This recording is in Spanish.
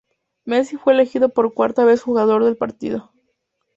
Messi fue elegido por cuarta vez jugador del partido.